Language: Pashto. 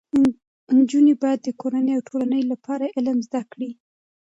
نجونې باید د کورنۍ او ټولنې لپاره علم زده کړي.